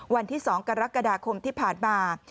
วันที่๒กรกฎาคมที่ผ่านมา